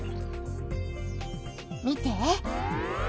見て。